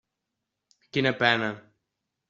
Quina pena.